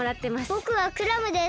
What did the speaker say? ぼくはクラムです。